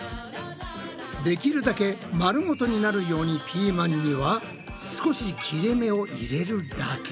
できるだけ丸ごとになるようにピーマンには少し切れ目を入れるだけ。